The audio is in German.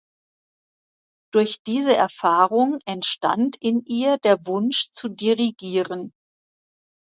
Durch diese Erfahrung entstand in ihr der Wunsch zu dirigieren.